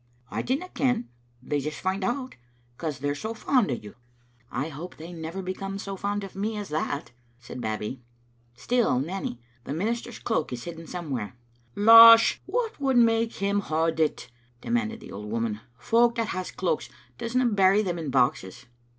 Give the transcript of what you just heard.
" I dinna ken. They just find out, because they're so fond o' you." " I hope they will never become so fond of me as that," said Babbie. " Still, Nanny, the minister's cloak is hidden somewhere. "" Losh, what would make him hod it?" demanded the old woman. " Folk that has cloaks doesna bury them in boxes."